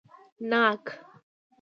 🍐ناک